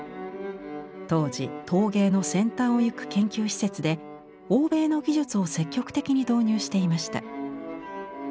当時陶芸の先端をゆく研究施設で欧米の技術を積極的に導入していました。